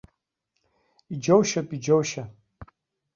Иџьоушьап, иџьоушьа.